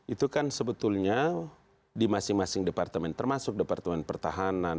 itu kan sebetulnya di masing masing departemen termasuk departemen pertahanan